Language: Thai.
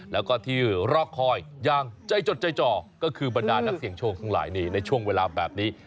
แล้วก็ที่รอกคอยอย่างใจจดใจจ่อก็คือบรรดานักเสี่ยงโชคทั้งหลายนี่ในช่วงเวลาแบบนี้